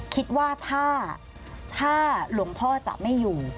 คิดว่าถ้าหลวงพ่อจะไม่อยู่